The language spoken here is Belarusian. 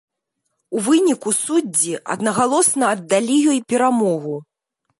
У выніку суддзі аднагалосна аддалі ёй перамогу.